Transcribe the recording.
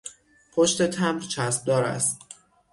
پشت تمبر چسب دار است.